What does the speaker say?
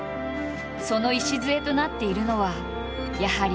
その礎となっているのはやはり。